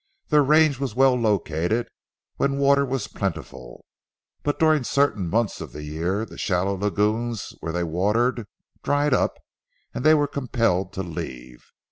Their range was well located when water was plentiful, but during certain months of the year the shallow lagoons where they watered dried up, and they were compelled to leave.